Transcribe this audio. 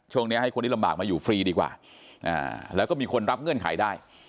ให้คนที่ลำบากมาอยู่ฟรีดีกว่าแล้วก็มีคนรับเงื่อนไขได้